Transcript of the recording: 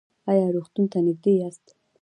ایا روغتون ته نږدې یاست؟